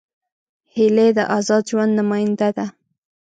هیلۍ د آزاد ژوند نمادیه ده